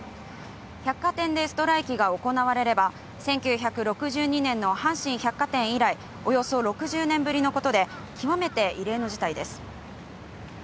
百貨店でストライキが行われれば、１９６２年の阪神百貨店以来、およそ６０年ぶりのことで極めて異例の事態です。